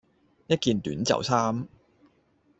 一件短袖衫